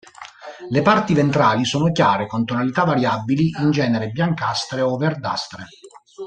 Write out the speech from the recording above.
Le parti ventrali sono chiare, con tonalità variabili, in genere biancastre o verdastre.